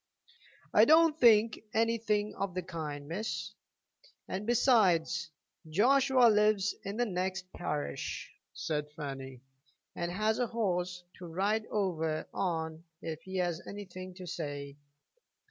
"I don't think anything of the kind, miss." "And besides, Joshua lives in the next parish," said Fanny, "and has a horse to ride over on if he has anything to say."